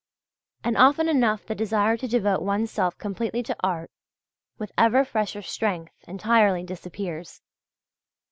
And often enough the desire to devote one's self completely to art, with ever fresher strength, entirely disappears.